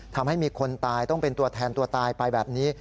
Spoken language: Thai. ทำให้มีคนตายต้องเป็นตัวแทนตัวตายไปแบบนี้